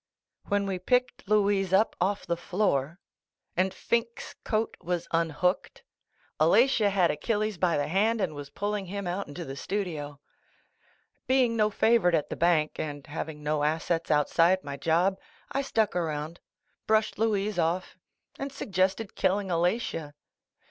When we picked Louise up off the floor. 108 Photoplay Magazine and "Finke's" coat was unhooked, Alalia had Achilles by the hand and was pulling him out into the studio. Being no favorite at the bank and having no assets outside my job. I stuck around, brushed Louise off. and suggested killing Alatia.